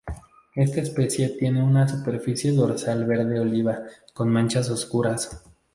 Esta especie tiene una superficie dorsal verde oliva con manchas oscuras.